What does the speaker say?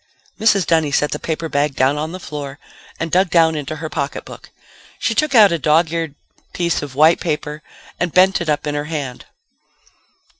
Mrs. Dunny set the paper bag down on the floor and dug down into her pocketbook. She took out a dog eared piece of white paper and bent it up in her hand.